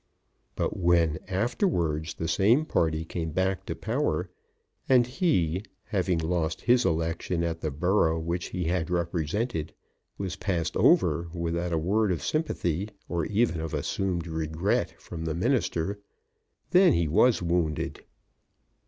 But when afterwards the same party came back to power, and he, having lost his election at the borough which he had represented, was passed over without a word of sympathy or even of assumed regret from the Minister, then he was wounded.